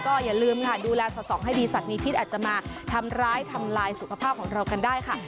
อย่าลืมค่ะดูแลสอดส่องให้ดีสัตว์มีพิษอาจจะมาทำร้ายทำลายสุขภาพของเรากันได้ค่ะ